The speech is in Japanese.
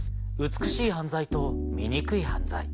美しい犯罪と醜い犯罪」。